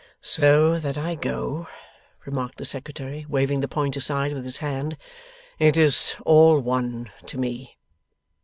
'So that I go,' remarked the Secretary, waving the point aside with his hand, 'it is all one to me.